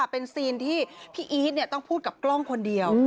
เป็นซีนที่พี่อีทต้องพูดกับกล้องคนเดียว